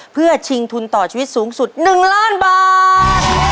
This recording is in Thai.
เพื่อชิงทุนต่อชีวิตสูงสุด๑ล้านบาท